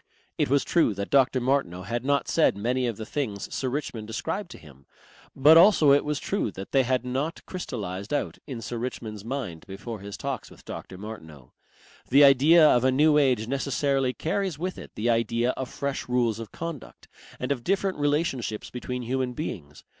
It was true that Dr. Martineau had not said many of the things Sir Richmond ascribed to him, but also it was true that they had not crystallized out in Sir Richmond's mind before his talks with Dr. Martineau. The idea of a New Age necessarily carries with it the idea of fresh rules of conduct and of different relationships between human beings.